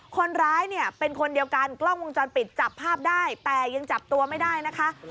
คนร้ายเนี่ยเป็นคนเดียวกันกล้องวงจรปิดจับภาพได้แต่ยังจับตัวไม่ได้นะคะ